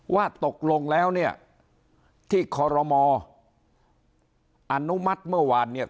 ว่าตกลงแล้วเนี่ยที่คอรมออนุมัติเมื่อวานเนี่ย